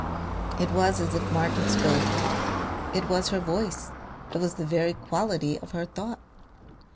It was as if Martin spoke; it was her voice; it was the very quality of her thought.